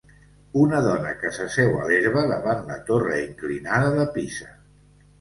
Una dona que s'asseu a l'herba davant la torre inclinada de Pisa.